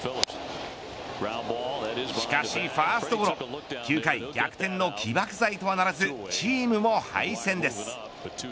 しかしファーストゴロ９回、逆転の起爆剤とはならずチームも敗戦です。